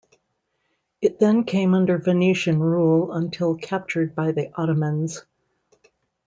It then came under Venetian rule until captured by the Ottomans.